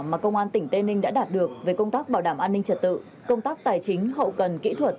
mà công an tỉnh tây ninh đã đạt được về công tác bảo đảm an ninh trật tự công tác tài chính hậu cần kỹ thuật